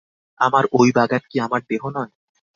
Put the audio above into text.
আমার ঐ বাগান কি আমার দেহ নয়।